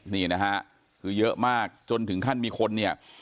นี่นะฮะคือเยอะมากจนถึงขั้นมีคนเนี่ย